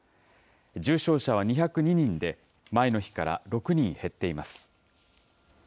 重症者は２０２人で、前の日から６人減っています。